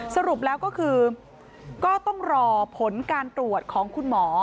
สรุปแล้วก็คือก็ต้องรอผลการตรวจของคุณหมอ